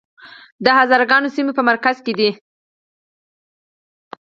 د هزاره ګانو سیمې په مرکز کې دي